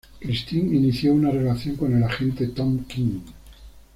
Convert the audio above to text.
Christine inicia una relación con el agente Tom Quinn.